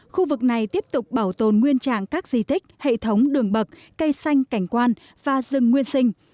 khu vực này tiếp tục bảo tồn nguyên trạng các di tích hệ thống đường bậc cây xanh cảnh quan và rừng nguyên sinh